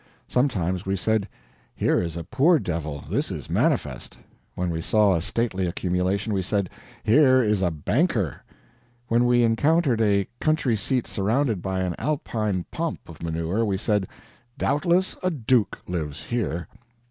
Sometimes we said, "Here is a poor devil, this is manifest." When we saw a stately accumulation, we said, "Here is a banker." When we encountered a country seat surrounded by an Alpine pomp of manure, we said, "Doubtless a duke lives here."